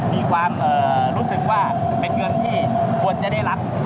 มีความรู้สึกว่าเป็นเงินที่ควรจะได้รับ